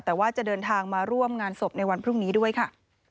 แต่ว่าจะเดินทางมาร่วมงานศพในวันพรุ่งนี้ด้วยค่ะ